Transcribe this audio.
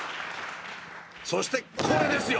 そしてこれですよ